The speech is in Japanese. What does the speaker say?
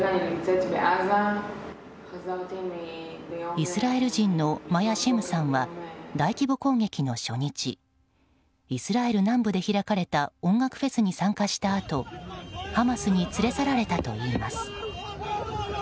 イスラエル人のマヤ・シェムさんは大規模攻撃の初日イスラエル南部で開かれた音楽フェスに参加したあとハマスに連れ去られたといいます。